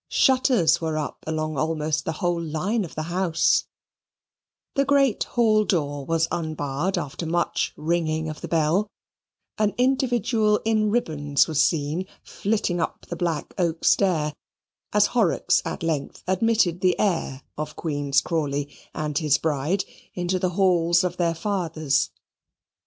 Shutters were up along almost the whole line of the house; the great hall door was unbarred after much ringing of the bell; an individual in ribbons was seen flitting up the black oak stair, as Horrocks at length admitted the heir of Queen's Crawley and his bride into the halls of their fathers.